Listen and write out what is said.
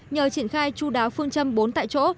nhờ triển khai chú đáo phương châm bốn tại chỗ